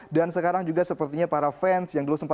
dan sekarang juga sepertinya para fans